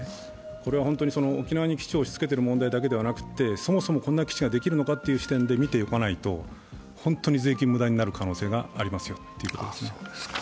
これは本当に沖縄に基地を押しつけている問題だけじゃなくてそもそもこんな基地ができるのかという視点で見ておかないと、本当に税金、無駄になる可能性がありますよ。